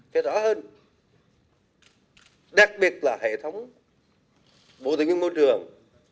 thế rõ hơn đặc biệt là hệ thống bộ tự nguyên môi trường